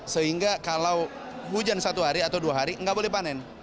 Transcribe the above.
sehingga kalau hujan satu hari atau dua hari nggak boleh panen